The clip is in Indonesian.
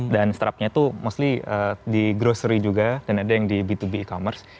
dan startupnya itu mostly di grocery juga dan ada yang di b dua b e commerce